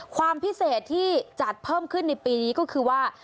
ความพิเศษที่จัดเพิ่มขึ้นในปีนี้ก็คือว่า